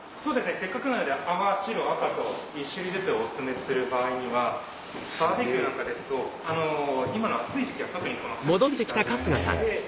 せっかくなので泡白赤と１種類ずつおすすめする場合はバーベキューなんかですと今の暑い時期はすっきりした味わいのもので。